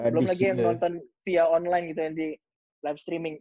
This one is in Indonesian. belum lagi yang nonton via online gitu yang di live streaming